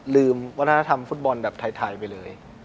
วัฒนธรรมฟุตบอลแบบไทยไปเลย